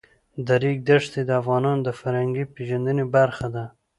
د ریګ دښتې د افغانانو د فرهنګي پیژندنې برخه ده.